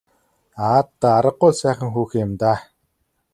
Аа даа аргагүй л сайхан хүүхэн юм даа.